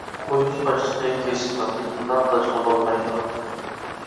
پويىز باشلىقى كېسىپلا : «ئۇنداق قىلىشقا بولمايدۇ» دېدى.